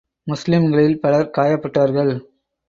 முஸ்லிம்களில் பலர் காயப்பட்டார்கள்.